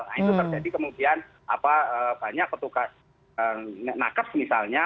nah itu terjadi kemudian apa banyak petugas nakas misalnya